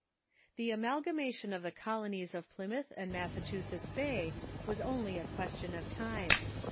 The amalgamation of the colonies of Pl^ mouth and Massa chusetts Bay was only a question of time.